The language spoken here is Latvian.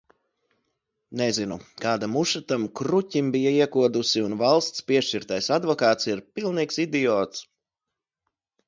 Nezinu, kāda muša tam kruķim bija iekodusi, un valsts piešķirtais advokāts ir pilnīgs idiots!